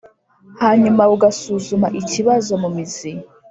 Hanyuma bugasuzuma ikibazo mu mizi